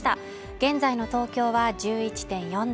現在の東京は１１．４度